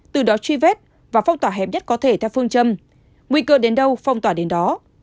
từ đó truy vết và phong tỏa hẹp nhất có thể theo phương châm nguy cơ đến đâu phong tỏa đến đó